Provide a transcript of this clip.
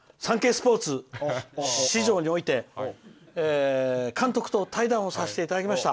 スポーツ紙上において監督と対談をさせていただきました。